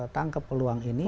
tangkap peluang ini